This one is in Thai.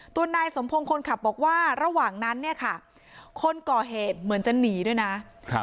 ตัวนายสมพงศ์คนขับบอกว่าระหว่างนั้นเนี่ยค่ะคนก่อเหตุเหมือนจะหนีด้วยนะ